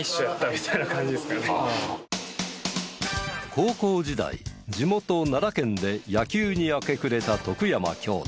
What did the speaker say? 高校時代地元奈良県で野球に明け暮れた徳山兄弟。